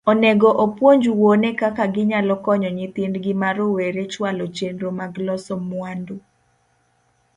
Onego opuonj wuone kaka ginyalo konyo nyithindgi ma rowere chwalo chenro mag loso mwandu.